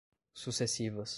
sucessivas